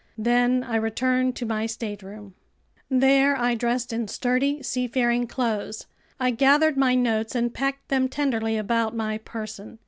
Then I returned to my stateroom. There I dressed in sturdy seafaring clothes. I gathered my notes and packed them tenderly about my person.